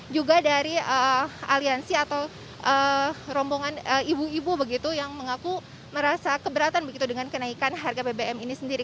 juga dari aliansi atau rombongan ibu ibu begitu yang mengaku merasa keberatan begitu dengan kenaikan harga bbm ini sendiri